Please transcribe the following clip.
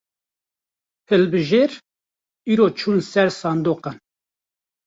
Hilbijêr, îro çûn ser sindoqan